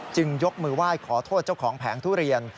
ยกมือไหว้ขอโทษเจ้าของแผงทุเรียน